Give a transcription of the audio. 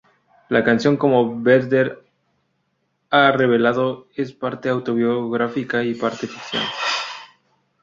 La canción, como Vedder ha revelado, es parte autobiográfica y parte ficción.